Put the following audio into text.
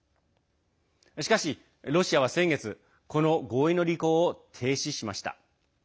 しかし、ロシアは先月この合意の履行を停止しました。